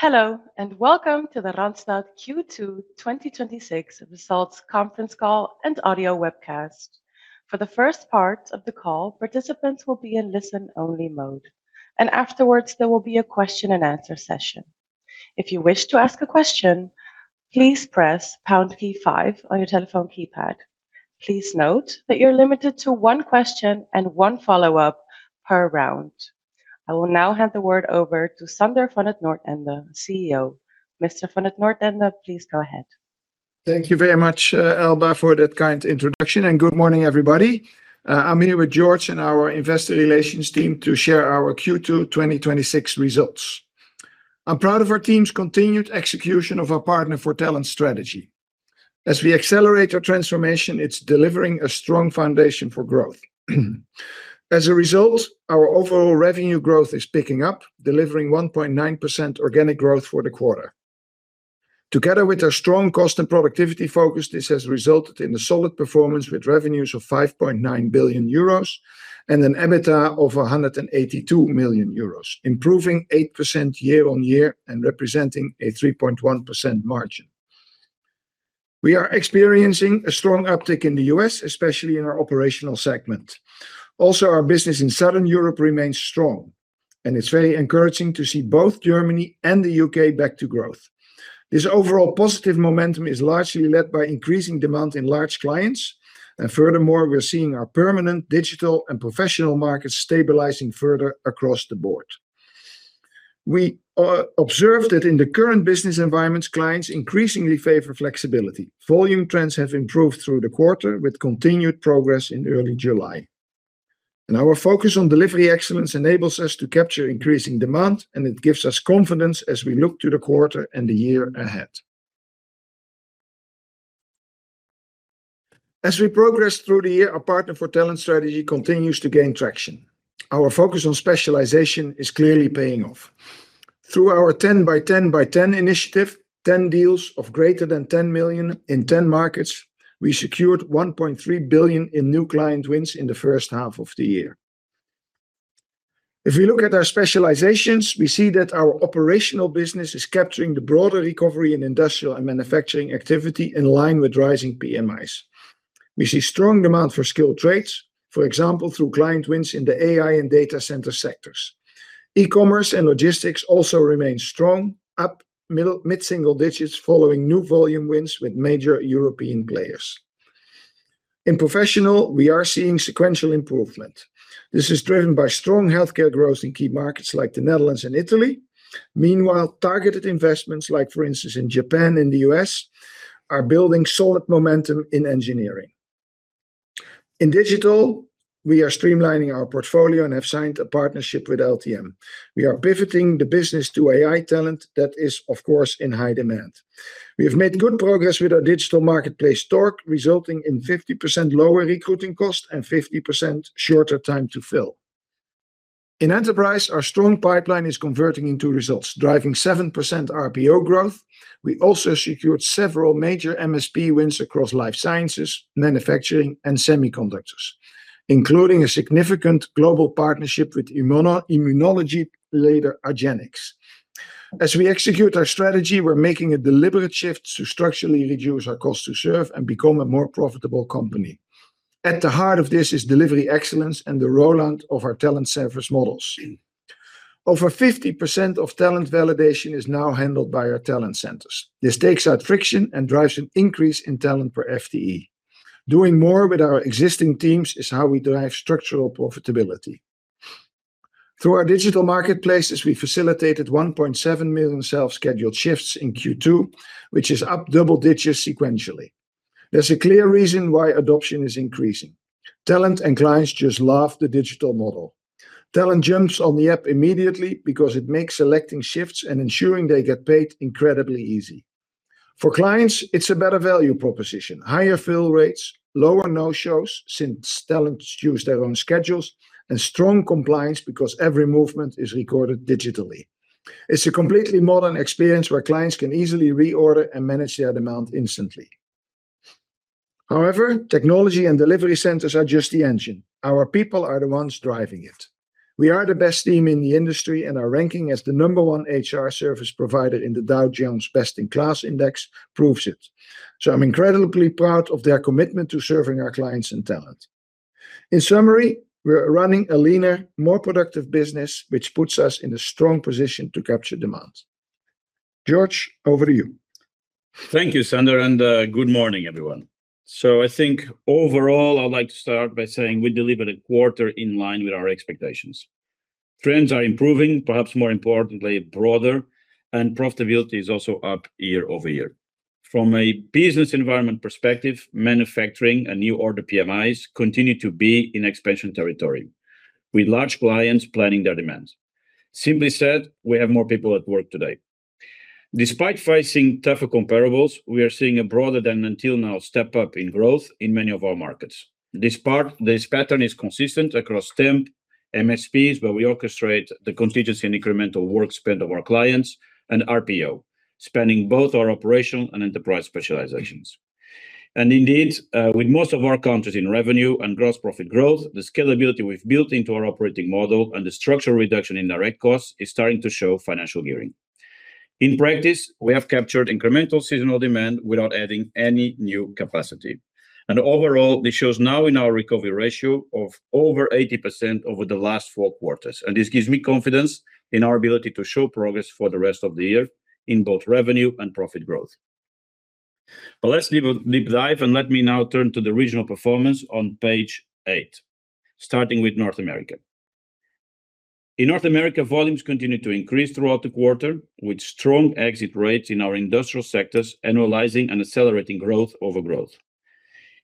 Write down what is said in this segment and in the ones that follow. Hello, welcome to the Randstad Q2 2026 results conference call and audio webcast. For the first part of the call, participants will be in listen-only mode. Afterwards, there will be a question and answer session. If you wish to ask a question, please press pound key five on your telephone keypad. Please note that you're limited to one question and one follow-up per round. I will now hand the word over to Sander van 't Noordende, CEO. Mr. van 't Noordende, please go ahead. Thank you very much, Elba, for that kind introduction. Good morning, everybody. I'm here with Jorge and our investor relations team to share our Q2 2026 results. I'm proud of our team's continued execution of our Partner for Talent strategy. We accelerate our transformation, it's delivering a strong foundation for growth. Our overall revenue growth is picking up, delivering 1.9% organic growth for the quarter. Together with our strong cost and productivity focus, this has resulted in the solid performance with revenues of €5.9 billion and an EBITDA of €182 million, improving 8% year-on-year and representing a 3.1% margin. We are experiencing a strong uptick in the U.S., especially in our Operational segment. Our business in Southern Europe remains strong, and it's very encouraging to see both Germany and the U.K. back to growth. This overall positive momentum is largely led by increasing demand in large clients. Furthermore, we're seeing our permanent Digital and Professional markets stabilizing further across the board. We observed that in the current business environments, clients increasingly favor flexibility. Volume trends have improved through the quarter, with continued progress in early July. Our focus on delivery excellence enables us to capture increasing demand, and it gives us confidence as we look to the quarter and the year ahead. We progress through the year, our Partner for Talent strategy continues to gain traction. Our focus on specialization is clearly paying off. Through our 10 by 10 by 10 initiative, 10 deals of greater than 10 million in 10 markets, we secured 1.3 billion in new client wins in the first half of the year. We look at our specializations, we see that our Operational business is capturing the broader recovery in industrial and manufacturing activity in line with rising PMIs. We see strong demand for skilled trades. For example, through client wins in the AI and data center sectors. E-commerce and logistics also remain strong, up mid-single digits following new volume wins with major European players. In Professional, we are seeing sequential improvement. This is driven by strong healthcare growth in key markets like the Netherlands and Italy. Meanwhile, targeted investments like, for instance, in Japan and the U.S., are building solid momentum in engineering. In Digital, we are streamlining our portfolio and have signed a partnership with LTM. We are pivoting the business to AI talent that is, of course, in high demand. We have made good progress with our digital marketplace store, resulting in 50% lower recruiting cost and 50% shorter time to fill. In enterprise, our strong pipeline is converting into results, driving 7% RPO growth. We also secured several major MSP wins across life sciences, manufacturing, and semiconductors, including a significant global partnership with immunology leader, argenx. As we execute our strategy, we're making a deliberate shift to structurally reduce our cost to serve and become a more profitable company. At the heart of this is delivery excellence and the rollout of our talent service models. Over 50% of talent validation is now handled by our talent centers. This takes out friction and drives an increase in talent per FTE. Doing more with our existing teams is how we drive structural profitability. Through our digital marketplaces, we facilitated 1.7 million self-scheduled shifts in Q2, which is up double digits sequentially. There's a clear reason why adoption is increasing. Talent and clients just love the digital model. Talent jumps on the app immediately because it makes selecting shifts and ensuring they get paid incredibly easy. For clients, it's a better value proposition, higher fill rates, lower no-shows since talents choose their own schedules, and strong compliance because every movement is recorded digitally. It's a completely modern experience where clients can easily reorder and manage their demand instantly. However, technology and delivery centers are just the engine. Our people are the ones driving it. We are the best team in the industry, and our ranking as the number one HR service provider in the Dow Jones Best-in-Class Index proves it. I'm incredibly proud of their commitment to serving our clients and talent. In summary, we're running a leaner, more productive business, which puts us in a strong position to capture demand. Jorge, over to you. Thank you, Sander, and good morning, everyone. I think overall, I'd like to start by saying we delivered a quarter in line with our expectations. Trends are improving, perhaps more importantly, broader, and profitability is also up year-over-year. From a business environment perspective, manufacturing and new order PMIs continue to be in expansion territory with large clients planning their demands. Simply said, we have more people at work today. Despite facing tougher comparables, we are seeing a broader than until now step up in growth in many of our markets. This pattern is consistent across temp MSPs, where we orchestrate the contingency and incremental work spend of our clients and RPO. Spanning both our operational and enterprise specializations. Indeed, with most of our countries in revenue and gross profit growth, the scalability we've built into our operating model and the structural reduction in direct costs is starting to show financial gearing. In practice, we have captured incremental seasonal demand without adding any new capacity. Overall, this shows now in our recovery ratio of over 80% over the last four quarters. This gives me confidence in our ability to show progress for the rest of the year in both revenue and profit growth. Let's deep dive, and let me now turn to the regional performance on page eight, starting with North America. In North America, volumes continued to increase throughout the quarter, with strong exit rates in our industrial sectors, annualizing and accelerating growth over growth.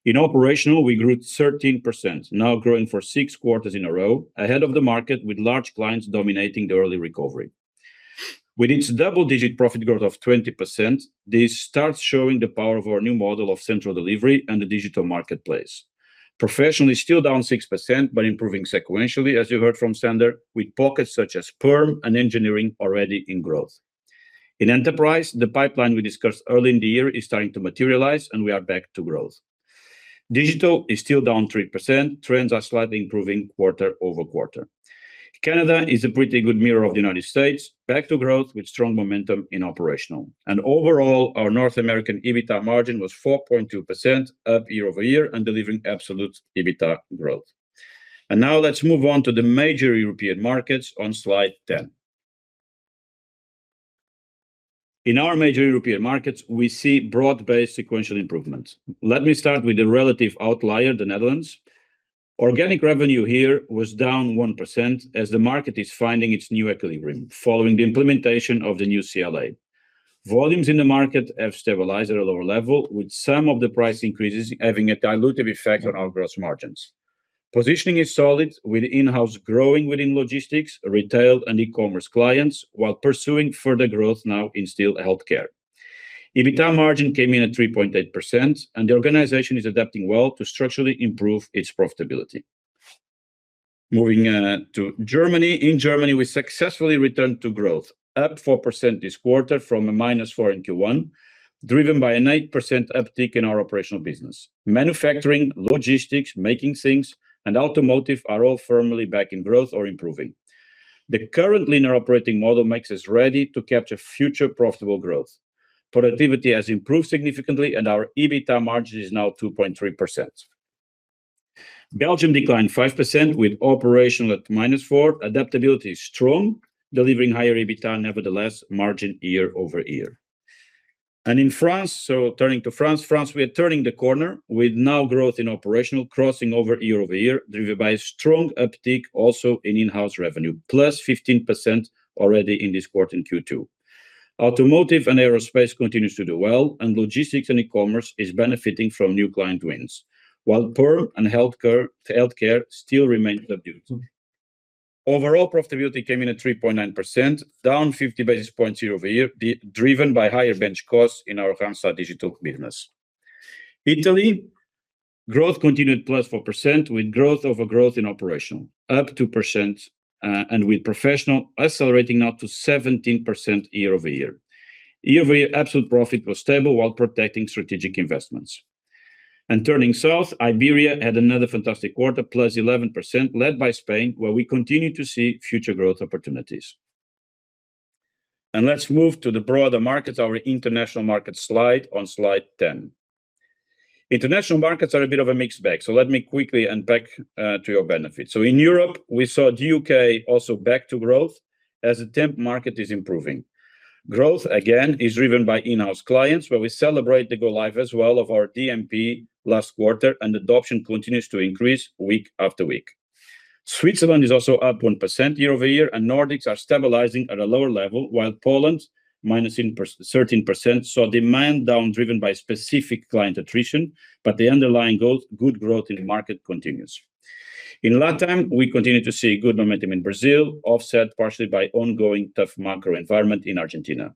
In operational, we grew 13%, now growing for six quarters in a row, ahead of the market, with large clients dominating the early recovery. With its double-digit profit growth of 20%, this starts showing the power of our new model of central delivery and the digital marketplace. Professional is still down 6% but improving sequentially, as you heard from Sander, with pockets such as perm and engineering already in growth. In enterprise, the pipeline we discussed early in the year is starting to materialize, and we are back to growth. Digital is still down 3%. Trends are slightly improving quarter-over-quarter. Canada is a pretty good mirror of the U.S., back to growth with strong momentum in operational. Overall, our North American EBITA margin was 4.2% up year-over-year and delivering absolute EBITA growth. Now let's move on to the major European markets on slide 10. In our major European markets, we see broad-based sequential improvements. Let me start with the relative outlier, the Netherlands. Organic revenue here was down 1% as the market is finding its new equilibrium following the implementation of the new CLA. Volumes in the market have stabilized at a lower level, with some of the price increases having a dilutive effect on our gross margins. Positioning is solid with in-house growing within logistics, retail, and e-commerce clients while pursuing further growth now in still healthcare. EBITA margin came in at 3.8%. The organization is adapting well to structurally improve its profitability. Moving to Germany. In Germany, we successfully returned to growth, up 4% this quarter from a -4 in Q1, driven by an 8% uptick in our operational business. Manufacturing, logistics, making things, and automotive are all firmly back in growth or improving. The current leaner operating model makes us ready to capture future profitable growth. Productivity has improved significantly, and our EBITA margin is now 2.3%. Belgium declined 5% with operational at -4. Adaptability is strong, delivering higher EBITA nevertheless, margin year-over-year. In France, turning to France. France, we are turning the corner with now growth in operational crossing over year-over-year, driven by strong uptick also in in-house revenue, plus 15% already in this quarter in Q2. Automotive and aerospace continues to do well, and logistics and e-commerce is benefiting from new client wins, while perm and healthcare still remain subdued. Overall profitability came in at 3.9%, down 50 basis points year-over-year, driven by higher bench costs in our Randstad Digital business. Italy, growth continued +4%, with growth over growth in Operational up 2%, and with Professional accelerating now to 17% year-over-year. Year-over-year absolute profit was stable while protecting strategic investments. Turning south, Iberia had another fantastic quarter, +11%, led by Spain, where we continue to see future growth opportunities. Let's move to the broader markets, our international market slide on slide 10. International markets are a bit of a mixed bag, so let me quickly unpack to your benefit. In Europe, we saw the U.K. also back to growth as the temp market is improving. Growth, again, is driven by in-house clients, where we celebrate the go-live as well of our DMP last quarter, and adoption continues to increase week after week. Switzerland is also up 1% year-over-year, Nordics are stabilizing at a lower level, while Poland, -13%, saw demand down driven by specific client attrition, but the underlying good growth in the market continues. In LATAM, we continue to see good momentum in Brazil, offset partially by ongoing tough macro environment in Argentina.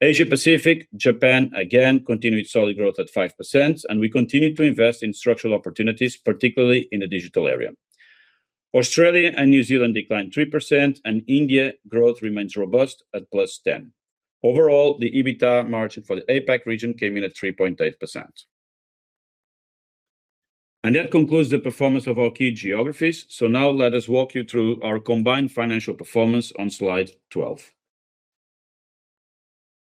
Asia-Pacific, Japan, again, continued solid growth at 5%, and we continue to invest in structural opportunities, particularly in the digital area. Australia and New Zealand declined 3%, and India growth remains robust at +10. Overall, the EBITA margin for the APAC region came in at 3.8%. That concludes the performance of our key geographies. Now let us walk you through our combined financial performance on slide 12.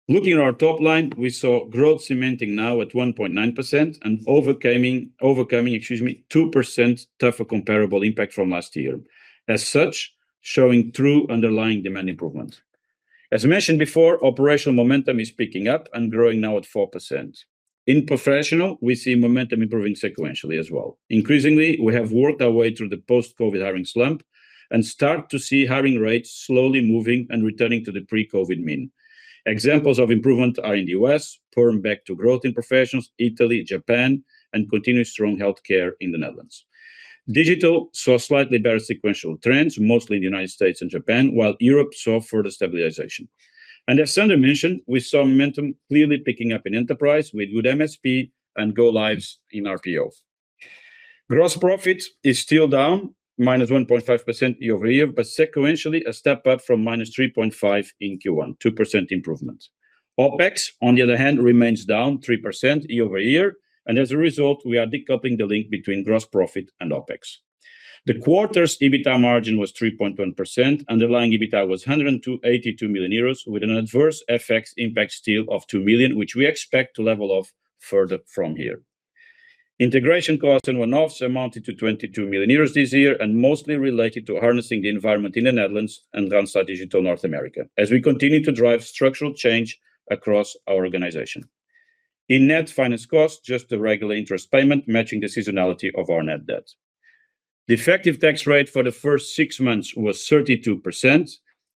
Looking at our top line, we saw growth cementing now at 1.9% and overcoming 2% tougher comparable impact from last year. As such, showing true underlying demand improvement. As mentioned before, Operational momentum is picking up and growing now at 4%. In Professional, we see momentum improving sequentially as well. Increasingly, we have worked our way through the post-COVID hiring slump and start to see hiring rates slowly moving and returning to the pre-COVID mean. Examples of improvement are in the U.S., perm back to growth in Professionals, Italy, Japan, and continued strong healthcare in the Netherlands. Digital saw slightly better sequential trends, mostly in the United States and Japan, while Europe saw further stabilization. As Sander mentioned, we saw momentum clearly picking up in enterprise with good MSP and go-lives in RPO. Gross profit is still down -1.5% year-over-year, but sequentially, a step up from -3.5% in Q1, 2% improvement. OPEX, on the other hand, remains down 3% year-over-year, As a result, we are decoupling the link between gross profit and OPEX. The quarter's EBITA margin was 3.1%. Underlying EBITA was 182 million euros, with an adverse FX impact still of 2 million, which we expect to level off further from here. Integration costs and one-offs amounted to 22 million euros this year and mostly related to harnessing the environment in the Netherlands and Randstad Digital North America as we continue to drive structural change across our organization. In net finance costs, just the regular interest payment matching the seasonality of our net debt. The effective tax rate for the first six months was 32%,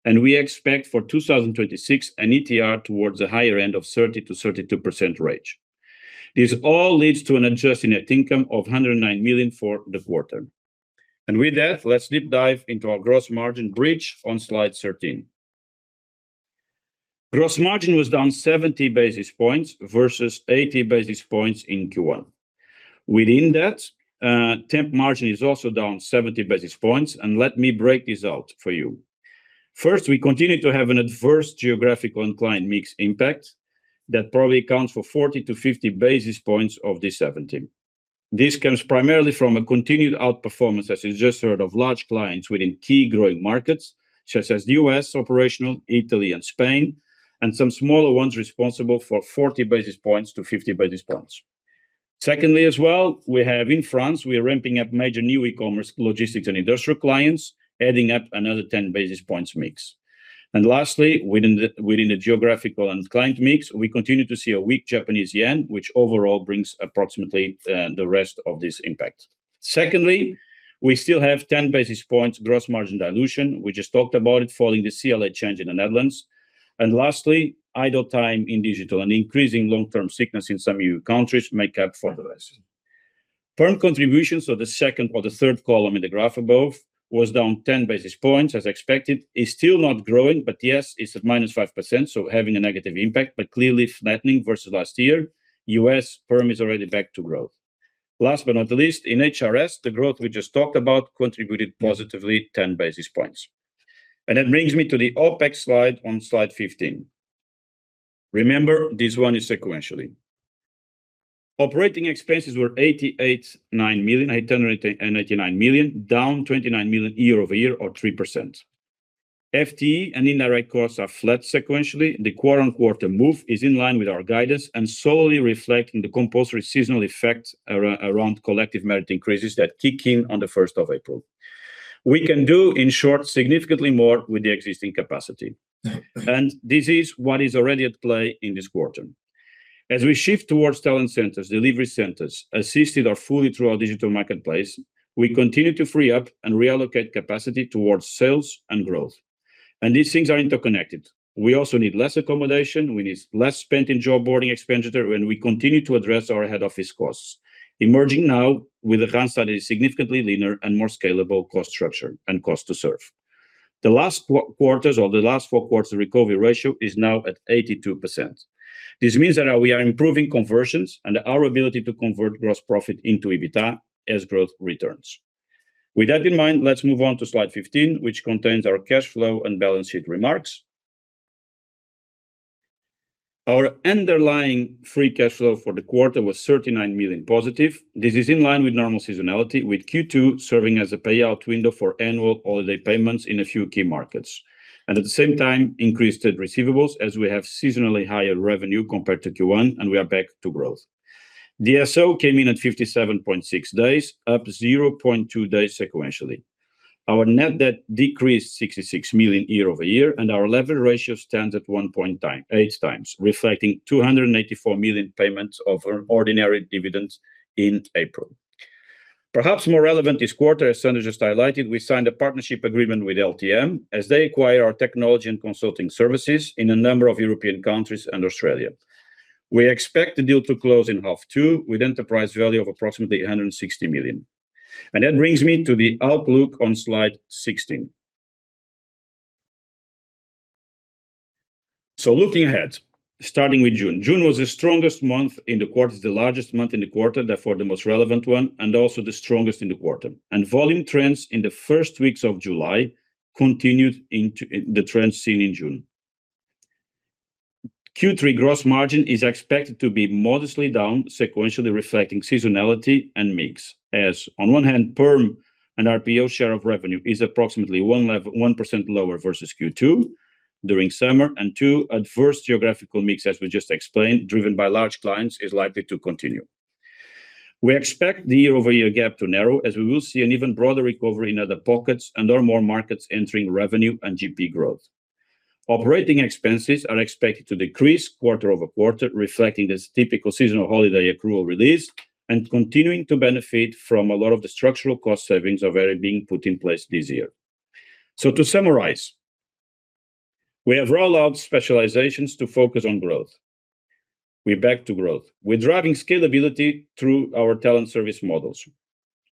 and we expect for 2026 an ETR towards the higher end of 30%-32% range. This all leads to an adjusted net income of 109 million for the quarter. With that, let's deep dive into our gross margin bridge on slide 13. Gross margin was down 70 basis points versus 80 basis points in Q1. Within that, temp margin is also down 70 basis points, and let me break this out for you. First, we continue to have an adverse geographic and client mix impact that probably accounts for 40 to 50 basis points of the 70. This comes primarily from a continued outperformance, as you just heard, of large clients within key growing markets such as U.S. Operational, Italy, and Spain, and some smaller ones responsible for 40 basis points to 50 basis points. Secondly, as well, we have in France, we are ramping up major new e-commerce, logistics, and industrial clients, adding up another 10 basis points mix. Lastly, within the geographical and client mix, we continue to see a weak Japanese yen, which overall brings approximately the rest of this impact. Secondly, we still have 10 basis points gross margin dilution. We just talked about it following the CLA change in the Netherlands. Lastly, idle time in digital and increasing long-term sickness in some E.U. countries make up for the rest. Perm contributions, so the second or the third column in the graph above, was down 10 basis points as expected, is still not growing. But yes, it's at -5%, so having a negative impact, but clearly flattening versus last year. U.S. perm is already back to growth. Last but not the least, in HRS, the growth we just talked about contributed positively 10 basis points. That brings me to the OPEX slide on slide 15. Remember, this one is sequentially. Operating expenses were 889 million, down 29 million year-over-year or 3%. FTE and indirect costs are flat sequentially. The quarter-on-quarter move is in line with our guidance and solely reflecting the compulsory seasonal effect around collective merit increases that kick in on the 1st of April. We can do, in short, significantly more with the existing capacity. This is what is already at play in this quarter. As we shift towards talent centers, delivery centers, assisted or fully through our digital marketplace, we continue to free up and reallocate capacity towards sales and growth. These things are interconnected. We also need less accommodation, we need less spent in job board expenditure, and we continue to address our head office costs. Emerging now with Randstad is significantly leaner and more scalable cost structure and cost to serve. The last quarters or the last four quarters recovery ratio is now at 82%. This means that we are improving conversions and our ability to convert gross profit into EBITA as growth returns. With that in mind, let's move on to slide 15, which contains our cash flow and balance sheet remarks. Our underlying free cash flow for the quarter was 39 million positive. This is in line with normal seasonality, with Q2 serving as a payout window for annual holiday payments in a few key markets. At the same time, increased receivables as we have seasonally higher revenue compared to Q1 and we are back to growth. DSO came in at 57.6 days, up 0.2 days sequentially. Our net debt decreased 66 million year-over-year, and our lever ratio stands at 1.8 times, reflecting 284 million payments of ordinary dividends in April. Perhaps more relevant this quarter, as Sander just highlighted, we signed a partnership agreement with LTM as they acquire our technology and consulting services in a number of European countries and Australia. We expect the deal to close in H2, with enterprise value of approximately 160 million. That brings me to the outlook on slide 16. Looking ahead, starting with June. June was the strongest month in the quarter, the largest month in the quarter, therefore the most relevant one, and also the strongest in the quarter. Volume trends in the first weeks of July continued into the trends seen in June. Q3 gross margin is expected to be modestly down sequentially, reflecting seasonality and mix, as on one hand, perm and RPO share of revenue is approximately 1% lower versus Q2 during summer, and two, adverse geographical mix, as we just explained, driven by large clients, is likely to continue. We expect the year-over-year gap to narrow as we will see an even broader recovery in other pockets and/or more markets entering revenue and GP growth. Operating expenses are expected to decrease quarter-over-quarter, reflecting this typical seasonal holiday accrual release and continuing to benefit from a lot of the structural cost savings already being put in place this year. To summarize, we have rolled out specializations to focus on growth. We're back to growth. We're driving scalability through our talent service models.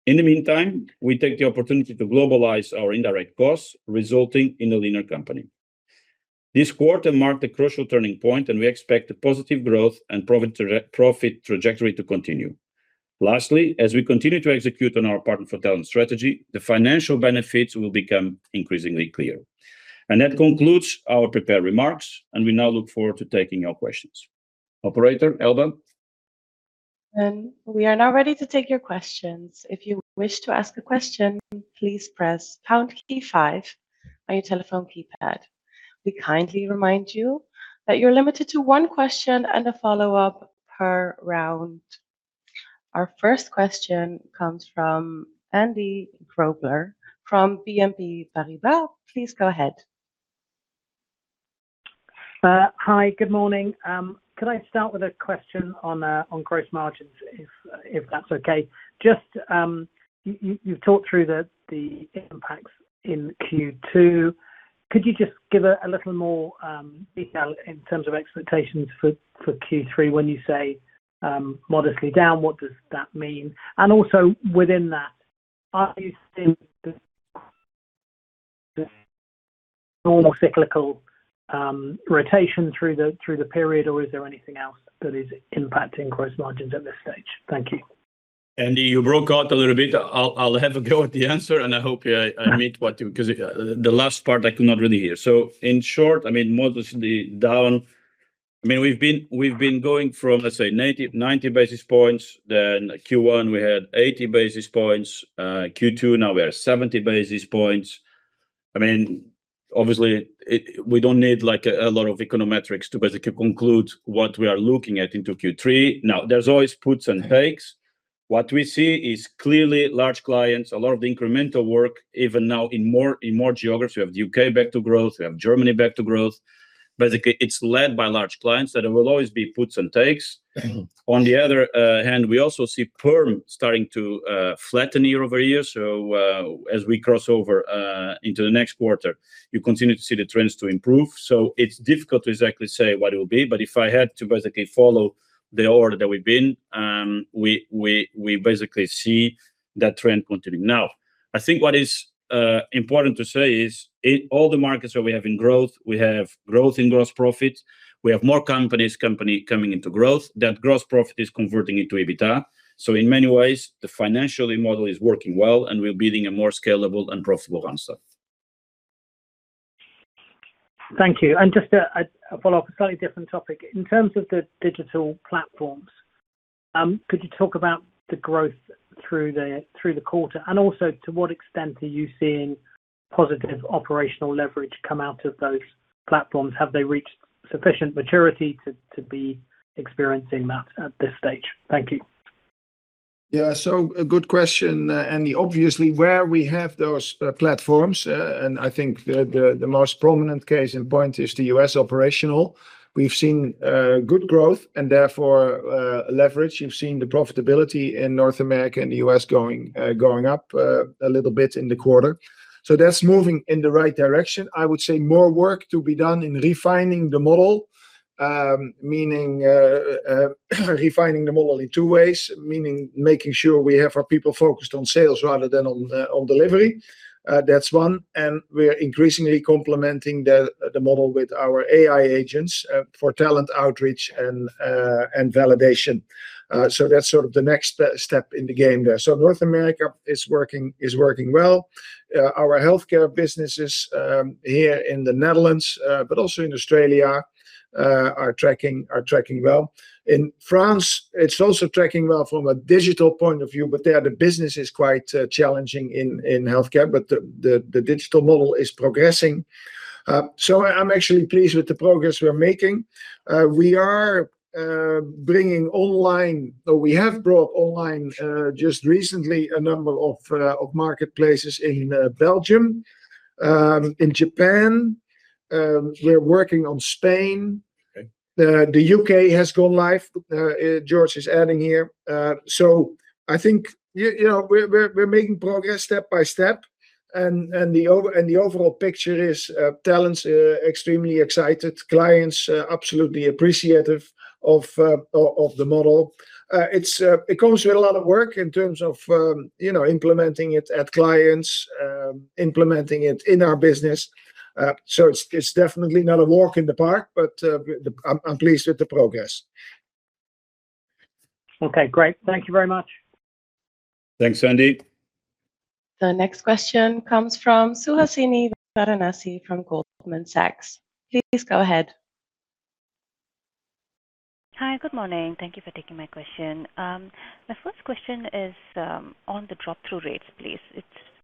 In the meantime, we take the opportunity to globalize our indirect costs, resulting in a leaner company. This quarter marked a crucial turning point, and we expect the positive growth and profit trajectory to continue. Lastly, as we continue to execute on our Partner for Talent strategy, the financial benefits will become increasingly clear. That concludes our prepared remarks, and we now look forward to taking your questions. Operator, Elba? We are now ready to take your questions. If you wish to ask a question, please press pound key five on your telephone keypad. We kindly remind you that you're limited to one question and a follow-up per round. Our first question comes from Andrew Grobler from BNP Paribas. Please go ahead. Hi. Good morning. Could I start with a question on gross margins, if that's okay? You've talked through the impacts in Q2. Could you just give a little more detail in terms of expectations for Q3 when you say modestly down, what does that mean? Also within that, are you seeing the normal cyclical rotation through the period, or is there anything else that is impacting gross margins at this stage? Thank you. Andy, you broke up a little bit. I'll have a go at the answer, and I hope I meet what you. Because the last part I could not really hear. In short, modestly down, we've been going from, let's say, 90 basis points, then Q1, we had 80 basis points, Q2, now we are 70 basis points. Obviously, we don't need a lot of econometrics to basically conclude what we are looking at into Q3. There's always puts and takes. What we see is clearly large clients, a lot of the incremental work, even now in more geography. We have the U.K. back to growth. We have Germany back to growth. It's led by large clients that there will always be puts and takes. On the other hand, we also see PERM starting to flatten year-over-year. As we cross over into the next quarter, you continue to see the trends to improve. It's difficult to exactly say what it will be, but if I had to basically follow the order that we've been, we basically see that trend continuing. I think what is important to say is all the markets where we have in growth, we have growth in gross profit. We have more companies coming into growth. That gross profit is converting into EBITA. In many ways, the financial model is working well, and we're building a more scalable and profitable Randstad. Thank you. Just to follow up a slightly different topic. In terms of the digital platforms, could you talk about the growth through the quarter, and also to what extent are you seeing positive operational leverage come out of those platforms? Have they reached sufficient maturity to be experiencing that at this stage? Thank you. A good question, Andy. Obviously, where we have those platforms, I think the most prominent case in point is the U.S. Operational. We've seen good growth and therefore leverage. You've seen the profitability in North America and the U.S. going up a little bit in the quarter. That's moving in the right direction. I would say more work to be done in refining the model, meaning refining the model in two ways, meaning making sure we have our people focused on sales rather than on delivery. That's one, we're increasingly complementing the model with our AI agents for talent outreach and validation. That's sort of the next step in the game there. North America is working well. Our healthcare businesses here in the Netherlands but also in Australia, are tracking well. In France, it's also tracking well from a digital point of view, there the business is quite challenging in healthcare. The digital model is progressing. I'm actually pleased with the progress we're making. We are bringing online, or we have brought online just recently a number of marketplaces in Belgium, in Japan. We're working on Spain. The U.K. has gone live, Jorge is adding here. I think we're making progress step by step the overall picture is talents extremely excited, clients absolutely appreciative of the model. It comes with a lot of work in terms of implementing it at clients, implementing it in our business. It's definitely not a walk in the park, I'm pleased with the progress. Great. Thank you very much. Thanks, Andy. The next question comes from Suhasini Varanasi from Goldman Sachs. Please go ahead. Hi. Good morning. Thank you for taking my question. My first question is on the drop-through rates, please.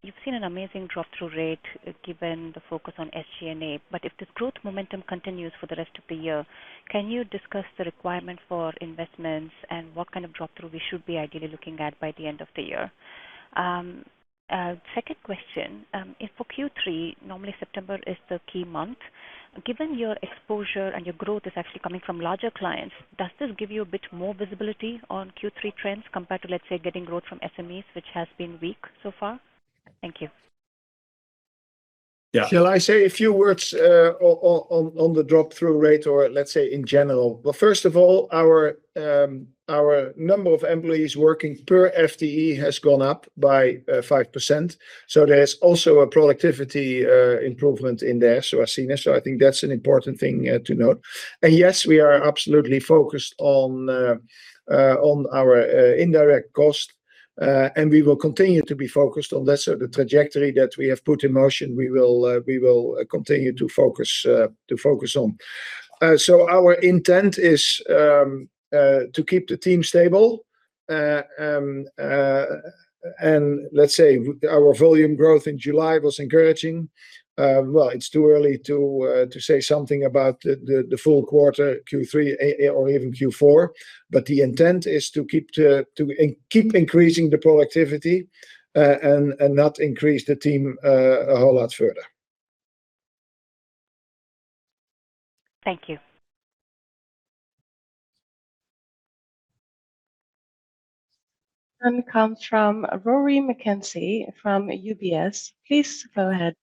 You've seen an amazing drop-through rate given the focus on SG&A, if this growth momentum continues for the rest of the year, can you discuss the requirement for investments and what kind of drop-through we should be ideally looking at by the end of the year? Second question, if for Q3, normally September is the key month. Given your exposure and your growth is actually coming from larger clients, does this give you a bit more visibility on Q3 trends compared to, let's say, getting growth from SMEs, which has been weak so far? Thank you. Shall I say a few words on the drop-through rate, or let's say in general? First of all, our number of employees working per FTE has gone up by 5%, so there's also a productivity improvement in there, Suhasini. I think that's an important thing to note. Yes, we are absolutely focused on our indirect cost, and we will continue to be focused on that. The trajectory that we have put in motion, we will continue to focus on. Our intent is to keep the team stable. Let's say our volume growth in July was encouraging. It's too early to say something about the full quarter Q3 or even Q4, but the intent is to keep increasing the productivity, and not increase the team a whole lot further. Thank you. Next comes from Rory McKenzie from UBS. Please go ahead.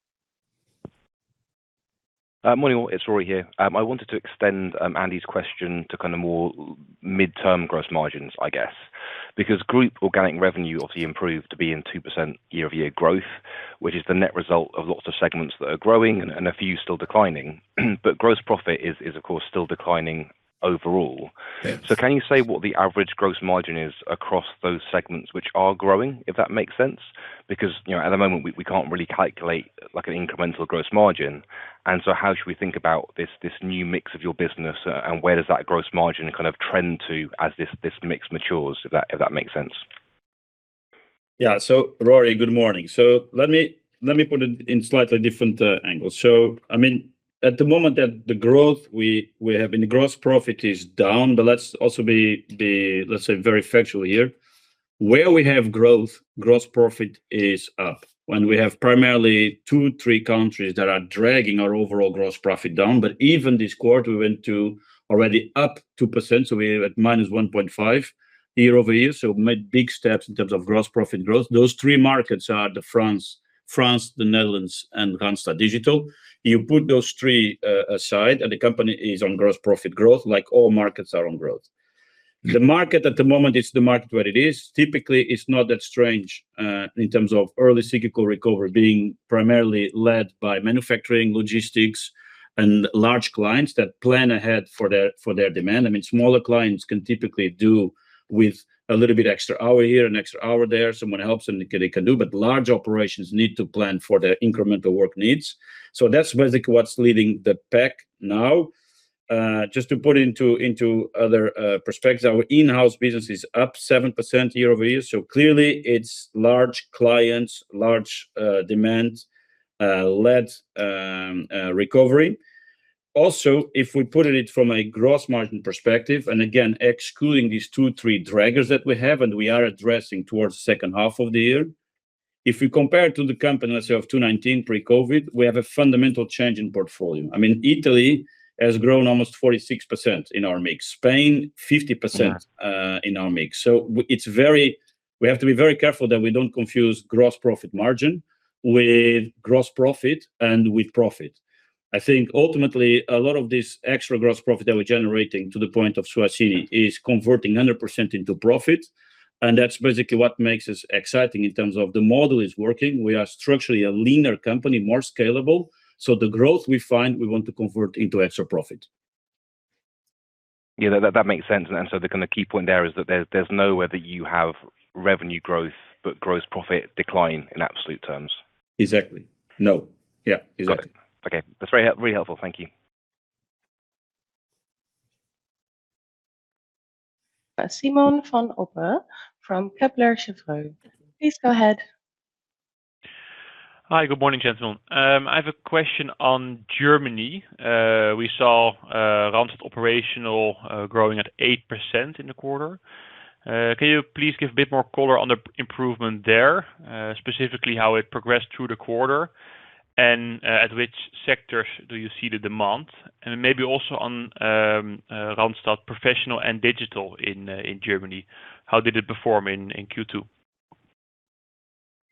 Morning all, it's Rory here. I wanted to extend Andy's question to more midterm gross margins, I guess. Group organic revenue obviously improved to be in 2% year-over-year growth, which is the net result of lots of segments that are growing and a few still declining. Gross profit is, of course, still declining overall. Can you say what the average gross margin is across those segments which are growing, if that makes sense? At the moment, we can't really calculate an incremental gross margin. How should we think about this new mix of your business, and where does that gross margin trend to as this mix matures, if that makes sense? Yeah. Rory, good morning. Let me put it in slightly different angle. At the moment, the growth we have in gross profit is down, but let's also be, let's say, very factual here. Where we have growth, gross profit is up, and we have primarily two, three countries that are dragging our overall gross profit down. Even this quarter, we went to already up 2%, we're at -1.5 year-over-year. We made big steps in terms of gross profit growth. Those three markets are France, the Netherlands, and Randstad Digital. You put those three aside, and the company is on gross profit growth, like all markets are on growth. The market at the moment is the market where it is. Typically, it's not that strange in terms of early cyclical recovery being primarily led by manufacturing, logistics, and large clients that plan ahead for their demand. Smaller clients can typically do with a little bit extra hour here, an extra hour there, someone helps and they can do. Large operations need to plan for their incremental work needs. That's basically what's leading the pack now. Just to put it into other perspective, our in-house business is up 7% year-over-year, clearly, it's large clients, large demand-led recovery. Also, if we put it from a gross margin perspective, and again, excluding these two, three draggers that we have, and we are addressing towards second half of the year. If you compare to the company, let's say, of 2019 pre-COVID, we have a fundamental change in portfolio. Italy has grown almost 46% in our mix, Spain 50% in our mix. We have to be very careful that we don't confuse gross profit margin with gross profit and with profit. I think ultimately, a lot of this extra gross profit that we're generating to the point of Suhasini is converting 100% into profit, and that's basically what makes this exciting in terms of the model is working. We are structurally a leaner company, more scalable. The growth we find, we want to convert into extra profit. Yeah, that makes sense. The key point there is that there's nowhere that you have revenue growth, gross profit decline in absolute terms. Exactly. No. Yeah, exactly. Got it. Okay, that's very helpful. Thank you. Simon van Oppen from Kepler Cheuvreux. Please go ahead. Hi. Good morning, gentlemen. I have a question on Germany. We saw Randstad Operational growing at 8% in the quarter. Can you please give a bit more color on the improvement there, specifically how it progressed through the quarter, and at which sectors do you see the demand? Maybe also on Randstad Professional and Randstad Digital in Germany, how did it perform in Q2?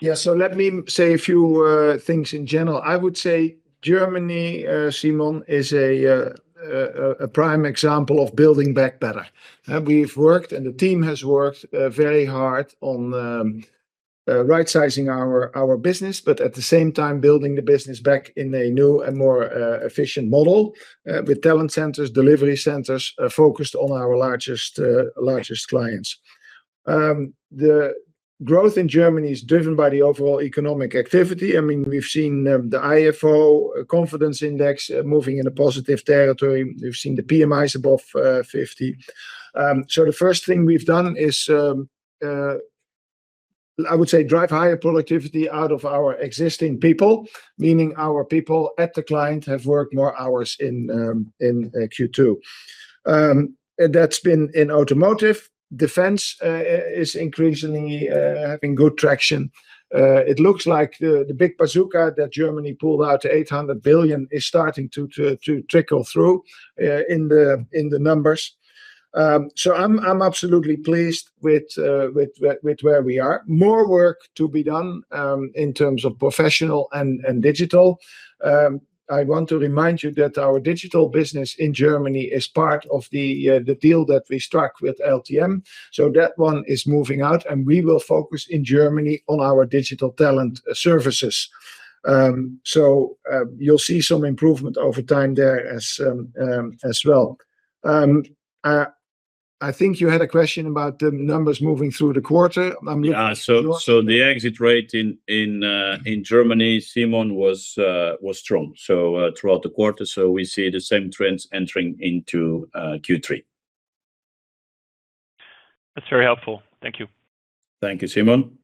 Yeah. Let me say a few things in general. I would say Germany, Simon, is a prime example of building back better. We've worked, and the team has worked very hard on right-sizing our business, but at the same time building the business back in a new and more efficient model with talent centers, delivery centers focused on our largest clients. The growth in Germany is driven by the overall economic activity. We've seen the Ifo confidence index moving in a positive territory. We've seen the PMIs above 50. The first thing we've done is, I would say drive higher productivity out of our existing people, meaning our people at the client have worked more hours in Q2. That's been in automotive. Defense is increasingly having good traction. It looks like the big bazooka that Germany pulled out, 800 billion, is starting to trickle through in the numbers. I'm absolutely pleased with where we are. More work to be done in terms of professional and digital. I want to remind you that our digital business in Germany is part of the deal that we struck with LTM. That one is moving out, and we will focus in Germany on our Randstad Digital Talent Services. You'll see some improvement over time there as well. I think you had a question about the numbers moving through the quarter. Yeah. The exit rate in Germany, Simon, was strong throughout the quarter. We see the same trends entering into Q3. That's very helpful. Thank you. Thank you, Simon.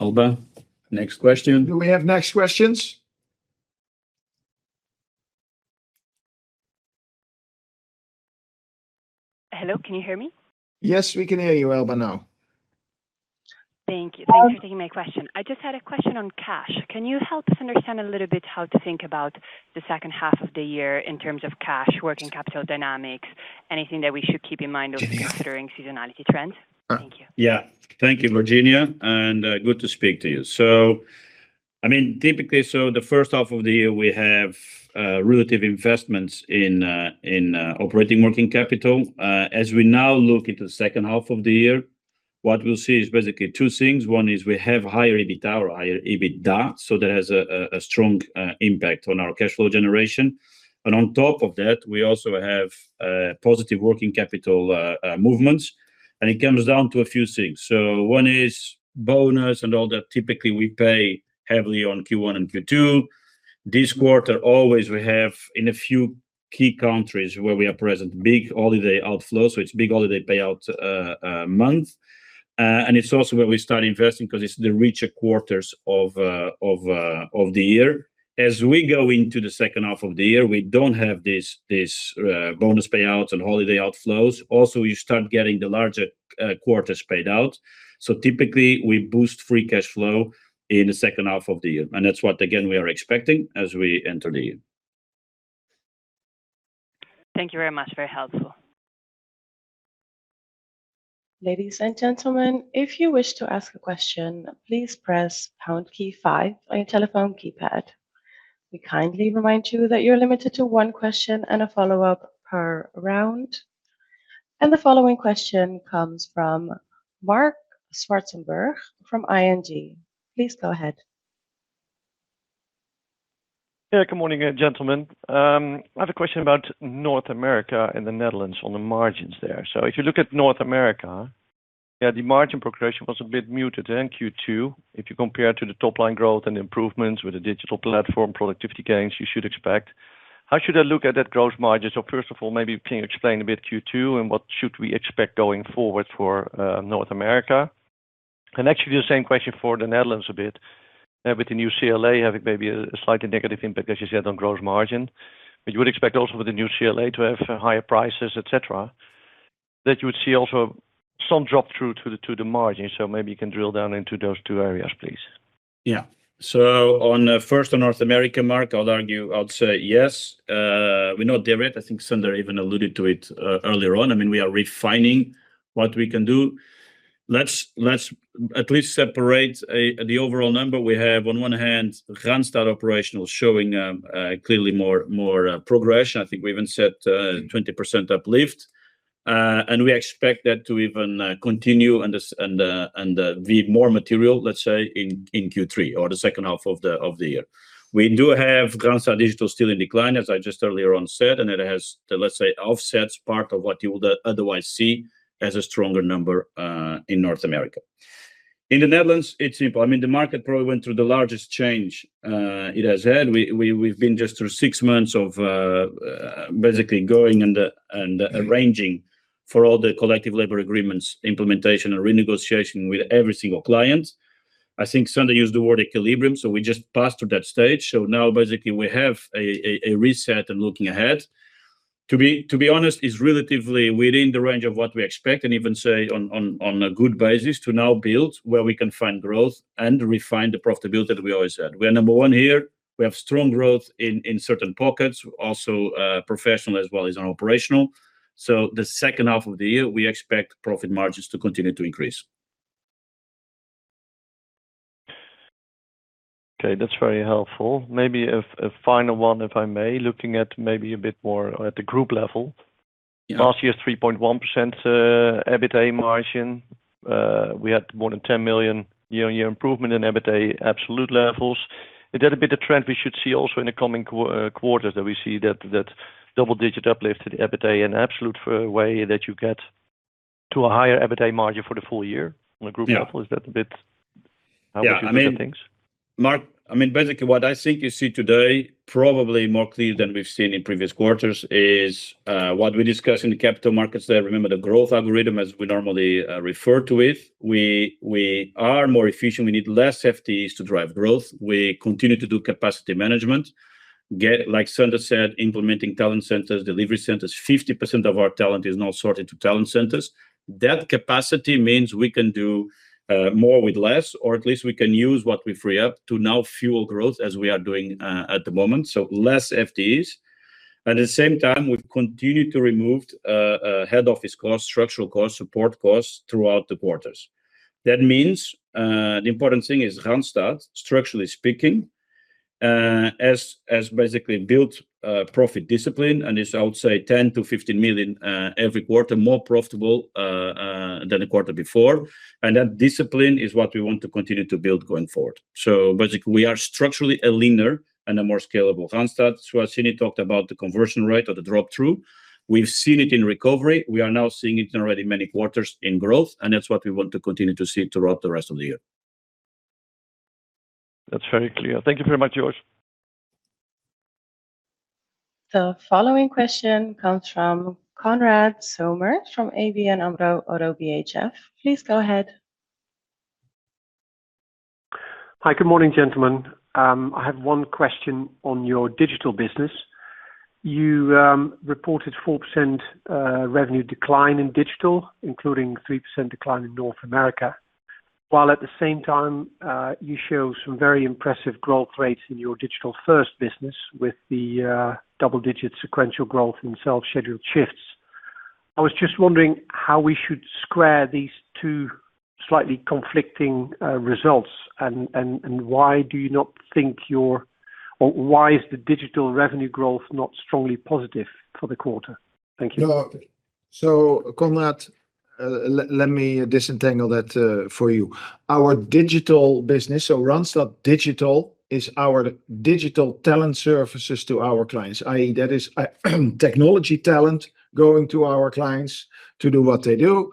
Elba, next question. Do we have next questions? Hello, can you hear me? Yes, we can hear you, Elba, now. Thank you. Thank you for taking my question. I just had a question on cash. Can you help us understand a little bit how to think about the second half of the year in terms of cash, working capital dynamics, anything that we should keep in mind over considering seasonality trends? Thank you. Thank you, Virginia, and good to speak to you. Typically, the first half of the year, we have relative investments in operating working capital. As we now look into the second half of the year, what we'll see is basically two things. One is we have higher EBITA, that has a strong impact on our cash flow generation. On top of that, we also have positive working capital movements. It comes down to a few things. One is bonus and all that. Typically, we pay heavily on Q1 and Q2. This quarter, always we have, in a few key countries where we are present, big holiday outflows, it's big holiday payout month. It's also where we start investing because it's the richer quarters of the year. As we go into the second half of the year, we don't have these bonus payouts and holiday outflows. Also, you start getting the larger quarters paid out. Typically, we boost free cash flow in the second half of the year. That's what, again, we are expecting as we enter the year. Thank you very much. Very helpful. Ladies and gentlemen, if you wish to ask a question, please press pound key five on your telephone keypad. We kindly remind you that you're limited to one question and a follow-up per round. The following question comes from Marc Zwartsenburg from ING. Please go ahead. Good morning, gentlemen. I have a question about North America and the Netherlands on the margins there. If you look at North America, the margin progression was a bit muted in Q2. If you compare to the top-line growth and improvements with the digital platform productivity gains you should expect, how should I look at that growth margin? First of all, maybe can you explain a bit Q2 and what should we expect going forward for North America? Actually, the same question for the Netherlands a bit. With the new CLA having maybe a slightly negative impact, as you said, on gross margin, but you would expect also with the new CLA to have higher prices, et cetera, that you would see also some drop-through to the margin. Maybe you can drill down into those two areas, please. First on North America, Marc, I would say yes. We know direct. I think Sander even alluded to it earlier on. We are refining what we can do. Let's at least separate the overall number we have. On one hand, Randstad Operational showing clearly more progression. I think we even said 20% uplift. We expect that to even continue and be more material, let's say, in Q3 or the second half of the year. We do have Randstad Digital still in decline, as I just earlier on said, it has, let's say, offsets part of what you would otherwise see as a stronger number in North America. In the Netherlands, it's simple. The market probably went through the largest change it has had. We've been just through six months of basically going and arranging for all the collective labor agreements implementation or renegotiation with every single client. I think Sander used the word equilibrium. We just passed through that stage. Now basically we have a reset and looking ahead. To be honest, it's relatively within the range of what we expect and even, say, on a good basis to now build where we can find growth and refine the profitability that we always had. We are number one here. We have strong growth in certain pockets, also professional as well as on operational. The second half of the year, we expect profit margins to continue to increase. Okay, that's very helpful. Maybe a final one, if I may, looking at maybe a bit more at the group level. Last year, 3.1% EBITA margin. We had more than 10 million year-on-year improvement in EBITA absolute levels. Is that a bit of double-digit trend we should see also in the coming quarters, that we see that double-digit uplift to the EBITA in absolute way that you get to a higher EBITA margin for the full year on a group level? Yeah. Marc, basically what I think you see today, probably more clear than we've seen in previous quarters, is what we discuss in the capital markets day. Remember the growth algorithm as we normally refer to it. We are more efficient. We need less FTEs to drive growth. We continue to do capacity management, like Sander said, implementing talent centers, delivery centers. 50% of our talent is now sorted to talent centers. That capacity means we can do more with less, or at least we can use what we free up to now fuel growth as we are doing at the moment. Less FTEs. At the same time, we've continued to remove head office costs, structural costs, support costs throughout the quarters. That means the important thing is Randstad, structurally speaking, has basically built a profit discipline, and is, I would say, 10 million to 15 million every quarter, more profitable than the quarter before. That discipline is what we want to continue to build going forward. Basically we are structurally a leaner and a more scalable Randstad. Suhasini talked about the conversion rate or the drop-through. We've seen it in recovery. We are now seeing it in already many quarters in growth, and that's what we want to continue to see throughout the rest of the year. That's very clear. Thank you very much, Jorge. The following question comes from Konrad Zomer from ABN AMRO-ODDO BHF. Please go ahead. Hi. Good morning, gentlemen. I have one question on your Randstad Digital business. You reported 4% revenue decline in Randstad Digital, including 3% decline in Randstad Digital North America, while at the same time, you show some very impressive growth rates in your digital first business with the double-digit sequential growth in self-scheduled shifts. I was just wondering how we should square these two slightly conflicting results, and why is the Randstad Digital revenue growth not strongly positive for the quarter? Thank you. Konrad, let me disentangle that for you. Our digital business, so Randstad Digital, is our Randstad Digital Talent Services to our clients, i.e., that is technology talent going to our clients to do what they do,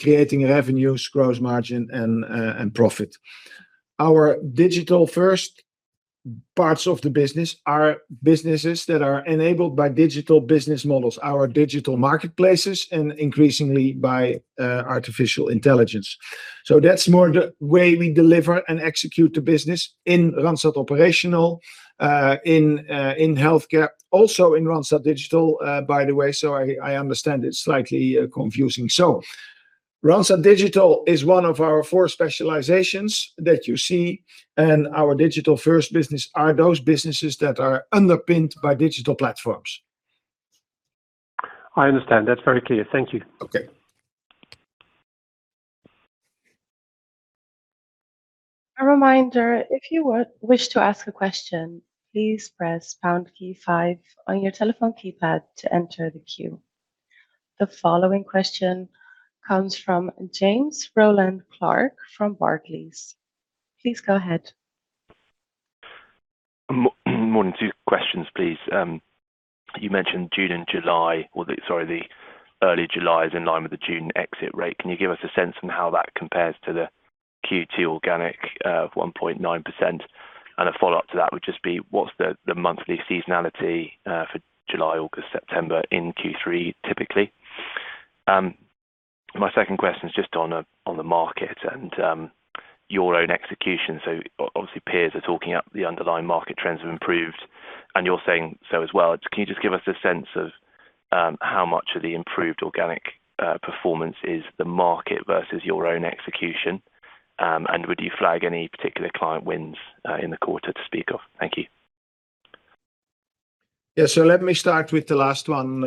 creating revenues, gross margin, and profit. Our digital first parts of the business are businesses that are enabled by digital business models, our digital marketplaces, and increasingly by artificial intelligence. That's more the way we deliver and execute the business in Randstad Operational, in healthcare, also in Randstad Digital, by the way. I understand it's slightly confusing. Randstad Digital is one of our four specializations that you see in our digital first business are those businesses that are underpinned by digital platforms. I understand. That's very clear. Thank you. Okay. A reminder, if you wish to ask a question, please press pound key five on your telephone keypad to enter the queue. The following question comes from James Rowland Clark from Barclays. Please go ahead. Morning. Two questions, please. You mentioned June and July, or the, sorry, the early July is in line with the June exit rate. Can you give us a sense on how that compares to the Q2 organic, 1.9%? A follow-up to that would just be, what's the monthly seasonality for July, August, September in Q3 typically? My second question is just on the market and your own execution. Obviously peers are talking up the underlying market trends have improved, and you're saying so as well. Can you just give us a sense of how much of the improved organic performance is the market versus your own execution? Would you flag any particular client wins in the quarter to speak of? Thank you. Yeah. Let me start with the last one,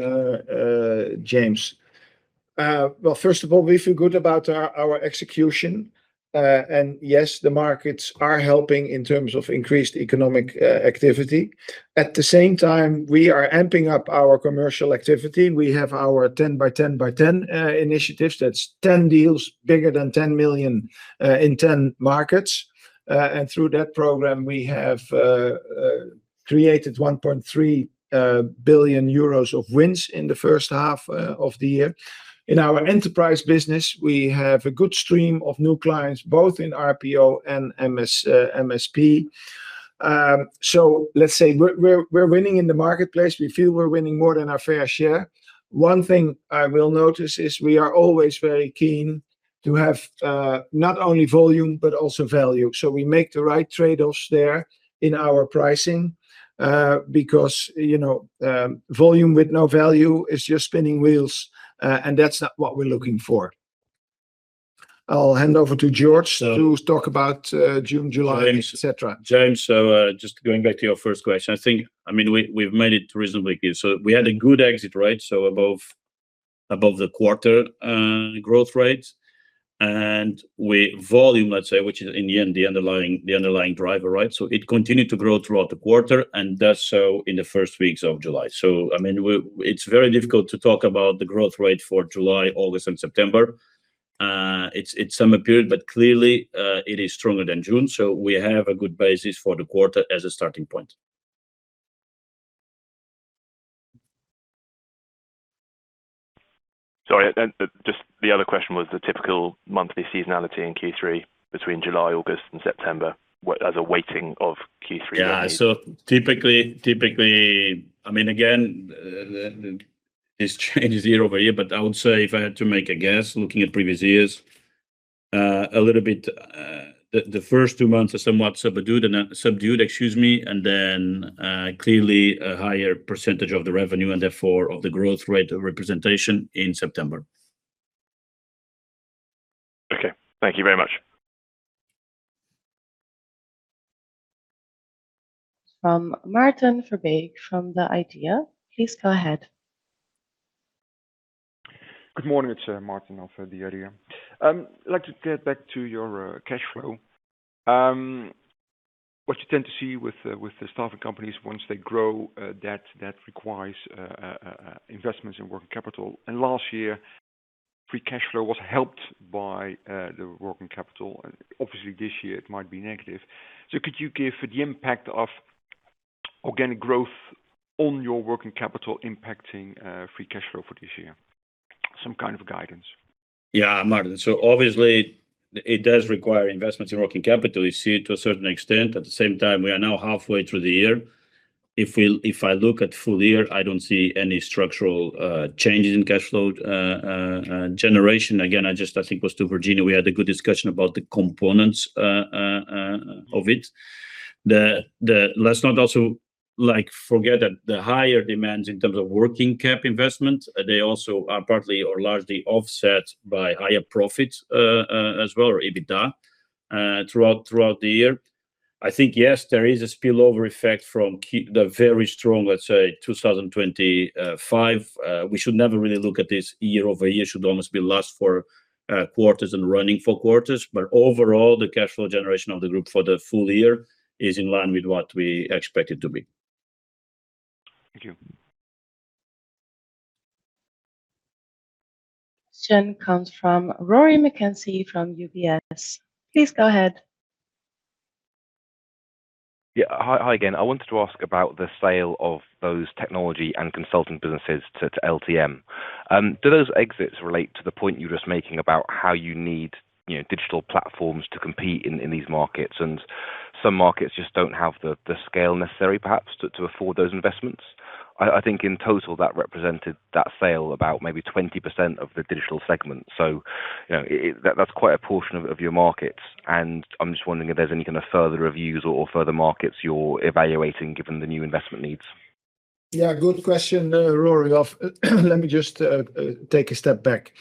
James. Well, first of all, we feel good about our execution. Yes, the markets are helping in terms of increased economic activity. At the same time, we are amping up our commercial activity. We have our 10 by 10 by 10 initiatives. That's 10 deals, bigger than 10 million in 10 markets. Through that program, we have created 1.3 billion euros of wins in the first half of the year. In our enterprise business, we have a good stream of new clients, both in RPO and MSP. Let's say we're winning in the marketplace. We feel we're winning more than our fair share. One thing I will notice is we are always very keen to have, not only volume, but also value. We make the right trade-offs there in our pricing, because volume with no value is just spinning wheels, and that's not what we're looking for. I'll hand over to Jorge to talk about June, July, et cetera. James, just going back to your first question, I think, we've made it reasonably clear. We had a good exit rate, above the quarter growth rate. With volume, let's say, which is in the end the underlying driver, right? It continued to grow throughout the quarter and does so in the first weeks of July. It's very difficult to talk about the growth rate for July, August, and September. It's summer period, but clearly, it is stronger than June, so we have a good basis for the quarter as a starting point. Just the other question was the typical monthly seasonality in Q3 between July, August, and September as a weighting of Q3. Yeah. Typically, again, this changes year-over-year, but I would say if I had to make a guess, looking at previous years, the first two months are somewhat subdued, excuse me, and then clearly a higher percentage of the revenue, and therefore of the growth rate of representation in September. Okay. Thank you very much. From Maarten Verbeek from The IDEA!. Please go ahead. Good morning. It's Maarten of The IDEA!. I'd like to get back to your cash flow. What you tend to see with staffing companies once they grow, that requires investments in working capital. Last year, free cash flow was helped by the working capital. Obviously, this year it might be negative. Could you give the impact of organic growth on your working capital impacting free cash flow for this year? Some kind of guidance. Yeah, Maarten. Obviously it does require investments in working capital. You see it to a certain extent. At the same time, we are now halfway through the year. If I look at full year, I don't see any structural changes in cash flow generation. Again, I think it was to Virginia, we had a good discussion about the components of it. Let's not also forget that the higher demands in terms of working cap investment, they also are partly or largely offset by higher profits, as well, or EBITA, throughout the year. I think, yes, there is a spillover effect from the very strong, let's say, 2025. We should never really look at this year-over-year. It should almost be last four quarters and running four quarters. Overall, the cash flow generation of the group for the full year is in line with what we expect it to be. Thank you. Question comes from Rory McKenzie from UBS. Please go ahead. Yeah. Hi again. I wanted to ask about the sale of those technology and consulting businesses to LTM. Do those exits relate to the point you were just making about how you need digital platforms to compete in these markets, and some markets just don't have the scale necessary perhaps to afford those investments? I think in total, that represented, that sale, about maybe 20% of the Digital segment. That's quite a portion of your markets, and I'm just wondering if there's any kind of further reviews or further markets you're evaluating given the new investment needs. Good question, Rory. Let me just take a step back.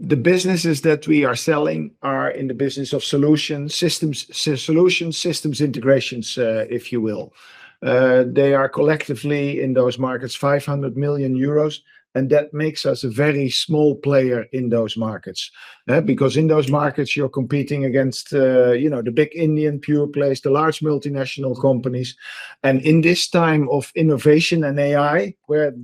The businesses that we are selling are in the business of solution systems integrations, if you will. They are collectively, in those markets, 500 million euros, and that makes us a very small player in those markets. Because in those markets, you're competing against the big Indian pure plays, the large multinational companies. In this time of innovation and AI, where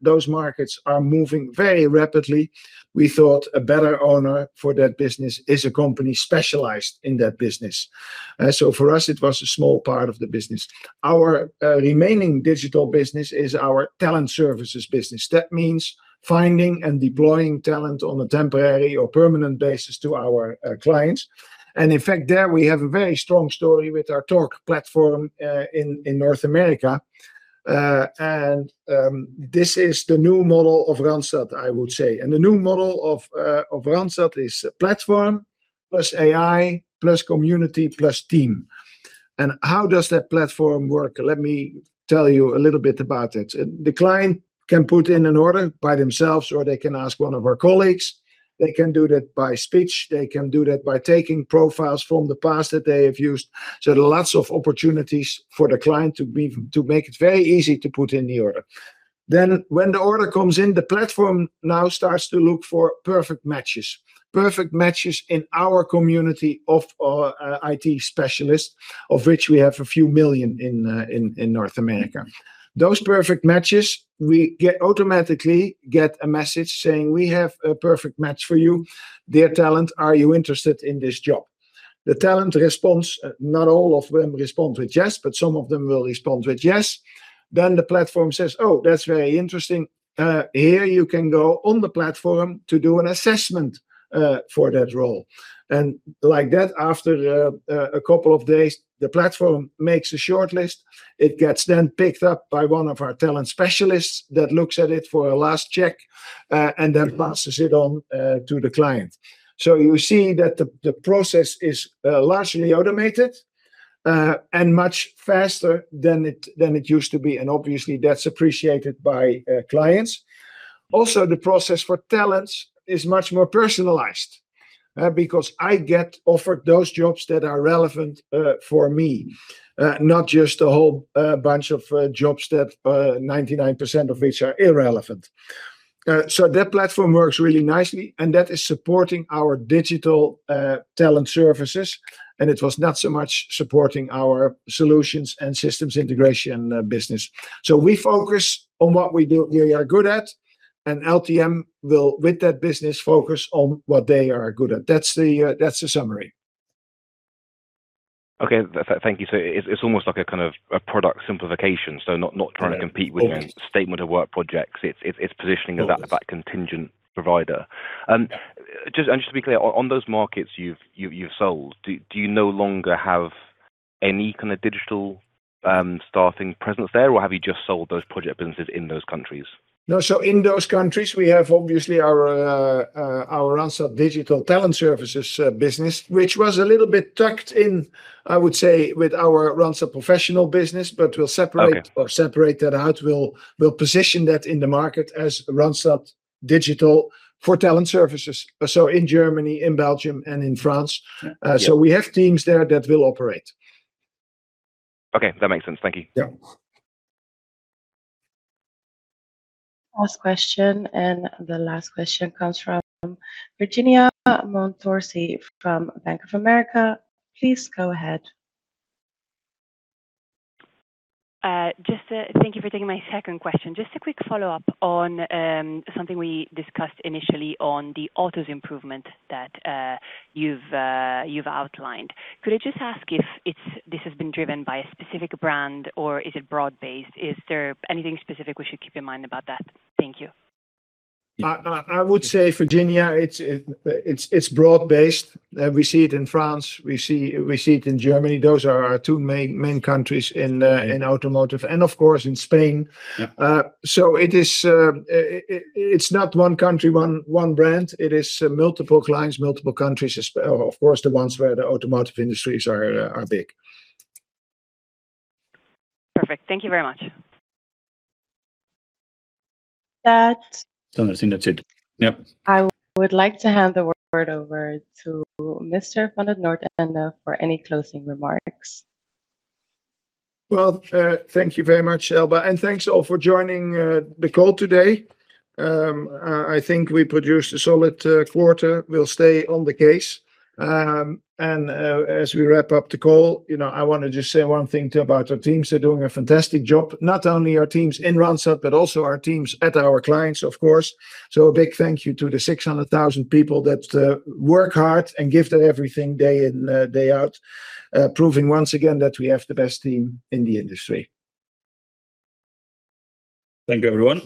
those markets are moving very rapidly, we thought a better owner for that business is a company specialized in that business. For us, it was a small part of the business. Our remaining digital business is our Randstad Digital Talent Services business. That means finding and deploying talent on a temporary or permanent basis to our clients. In fact, there, we have a very strong story with our Torc platform, in North America. This is the new model of Randstad, I would say. The new model of Randstad is platform plus AI, plus community, plus team. How does that platform work? Let me tell you a little bit about it. The client can put in an order by themselves, or they can ask one of our colleagues. They can do that by speech. They can do that by taking profiles from the past that they have used. There are lots of opportunities for the client to make it very easy to put in the order. When the order comes in, the platform now starts to look for perfect matches. Perfect matches in our community of IT specialists, of which we have a few million in North America. Those perfect matches, we automatically get a message saying, "We have a perfect match for you. Dear talent, are you interested in this job?" The talent responds, not all of them respond with yes, but some of them will respond with yes. The platform says, "Oh, that's very interesting. Here you can go on the platform to do an assessment for that role." Like that, after a couple of days, the platform makes a shortlist. It gets then picked up by one of our talent specialists that looks at it for a last check, and then passes it on to the client. You see that the process is largely automated, and much faster than it used to be, and obviously that's appreciated by clients. Also, the process for talents is much more personalized, because I get offered those jobs that are relevant for me, not just a whole bunch of jobs that 99% of which are irrelevant. That platform works really nicely, and that is supporting our Randstad Digital Talent Services, and it was not so much supporting our solutions and systems integration business. We focus on what we are good at, and LTM will, with that business, focus on what they are good at. That's the summary. Okay. Thank you. It is almost like a kind of a product simplification. Not trying to compete with your statement of work projects. It is positioning of that contingent provider. Just to be clear, on those markets you have sold, do you no longer have any kind of digital staffing presence there, or have you just sold those project businesses in those countries? No. In those countries, we have obviously our Randstad Digital Talent Services business, which was a little bit tucked in, I would say, with our Randstad Operational business, but we will separate that out. We will position that in the market as Randstad Digital for Talent Services. In Germany, in Belgium and in France. We have teams there that will operate. Okay. That makes sense. Thank you. Yeah. Last question, the last question comes from Virginia Montorsi from Bank of America. Please go ahead. Thank you for taking my second question. Just a quick follow-up on something we discussed initially on the autos improvement that you've outlined. Could I just ask if this has been driven by a specific brand or is it broad-based? Is there anything specific we should keep in mind about that? Thank you. I would say, Virginia, it's broad-based. We see it in France, we see it in Germany. Those are our two main countries in automotive and of course, in Spain. It's not one country, one brand. It is multiple clients, multiple countries, of course, the ones where the automotive industries are big. Perfect. Thank you very much. I think that's it. Yeah. I would like to hand the word over to Mr. van 't Noordende for any closing remarks. Well, thank you very much, Elba, and thanks all for joining the call today. I think we produced a solid quarter. We'll stay on the case. As we wrap up the call, I want to just say one thing, too, about our teams. They're doing a fantastic job, not only our teams in Randstad, but also our teams at our clients, of course. A big thank you to the 600,000 people that work hard and give their everything day in, day out, proving once again that we have the best team in the industry. Thank you, everyone.